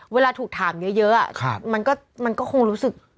เวลาถูกถามเยอะมันก็คงรู้สึก